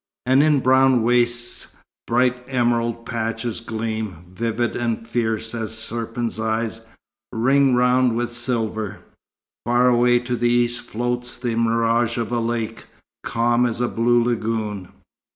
And in brown wastes, bright emerald patches gleam, vivid and fierce as serpents' eyes, ringed round with silver. Far away to the east floats the mirage of a lake, calm as a blue lagoon.